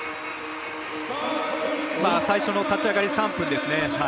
最初の立ち上がり、３分ですね。